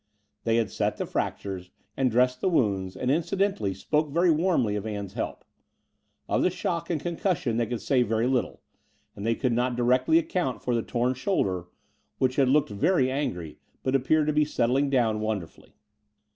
They had set the fractures and dressed the wounds, and incidentally spoke very warmly of Ann's help. Of the shock and con cussion they could say very little ; and th^ could not directly accotmt for the torn shoulder, which had looked very angry, but appeared to be settling down wonderfully.